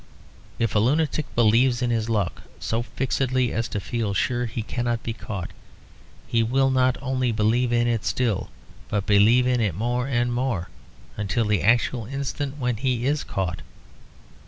If a lunatic believes in his luck so fixedly as to feel sure be cannot be caught, he will not only believe in it still, but believe in it more and more, until the actual instant when he is caught.